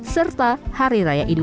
serta hari raya idul